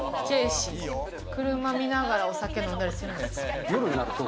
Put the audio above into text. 車を見ながらお酒飲んだりするんですか？